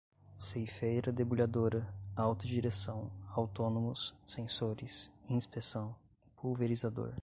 ceifeira-debulhadora, autodireção, autônomos, sensores, inspeção, pulverizador